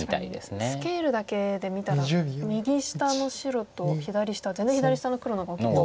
確かにスケールだけで見たら右下の白と左下全然左下の黒の方が大きいですね。